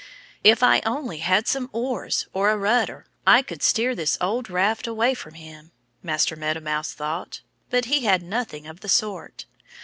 "If I only had some oars, or a rudder, I could steer this old raft away from him," Master Meadow Mouse thought. But he had nothing of the sort.